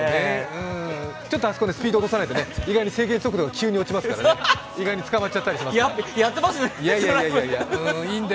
ちょっとあそこ、スピード落とさないとね、急に制限速度落ちますからね、意外に捕まっちゃったりしますからね。